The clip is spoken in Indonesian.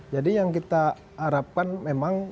yang kita harapkan memang